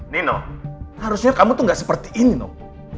nino harusnya kamu tuh gak seperti ini nom